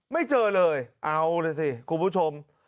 ไม่เจอเลยเอาล่ะสิคุณผู้ชม